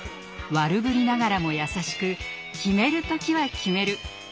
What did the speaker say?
ワルぶりながらも優しく決める時は決める。